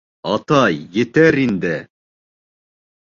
— Атай, етәр инде.